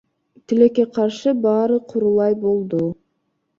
Тилекке каршы баары курулай болду.